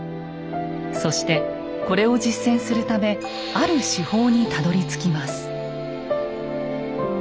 そしてこれを実践するためある手法にたどりつきます。